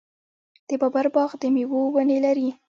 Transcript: د بابر باغ د میوو ونې لري.